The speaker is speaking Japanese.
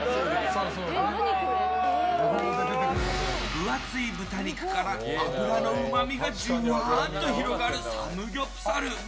分厚い豚肉から脂のうまみがジュワッと広がるサムギョプサル。